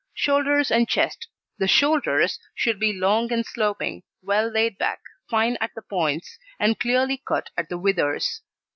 SHOULDERS AND CHEST The Shoulders should be long and sloping, well laid back, fine at the points, and clearly cut at the withers.